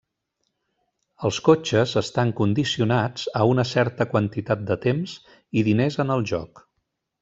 Els cotxes estan condicionats a una certa quantitat de temps i diners en el joc.